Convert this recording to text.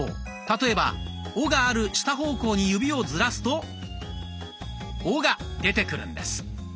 例えば「お」がある下方向に指をずらすと「お」が出てくるんです。